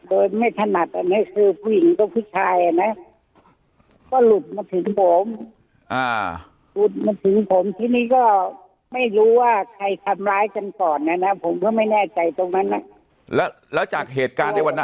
ผมก็ไม่แน่ใจตรงนั้นนะแล้วแล้วจากเหตุการณ์ในวันนั้น